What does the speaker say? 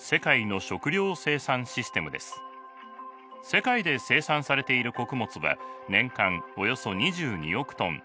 世界で生産されている穀物は年間およそ２２億トン。